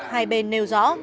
hai bên nêu rõ